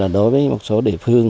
đối với một số địa phương